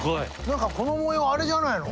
何かこの模様あれじゃないの？